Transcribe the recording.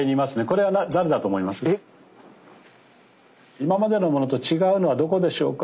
今までのものと違うのはどこでしょうか？